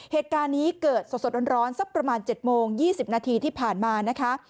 เหตุการณ์นี้เกิดสดร้อนสักประมาณ๗โมง๒๐นาทีที่ผ่านมานะคะ